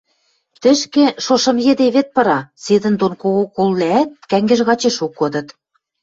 Тӹшкӹ шошым йӹде вӹд пыра, седӹндон кого колвлӓӓт кӓнгӹж гачешок кодыт.